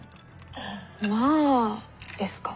「まああ」ですか。